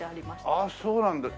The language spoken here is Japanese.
ああそうなんだ。